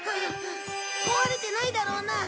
壊れてないだろうな？